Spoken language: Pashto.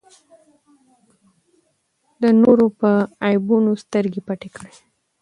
د نورو په عیبونو سترګې پټې کړئ.